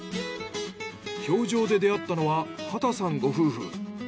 氷上で出会ったのは畑さんご夫婦。